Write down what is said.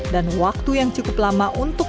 dan waktu yang cukup lama untuk